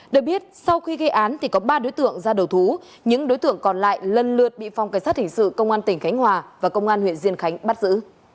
được biết sau khi gây án thì có ba đối tượng ra đầu thú những đối tượng còn lại lần lượt bị phòng cảnh sát hình sự công an tỉnh khánh hòa và công an huyện diên khánh bắt giữ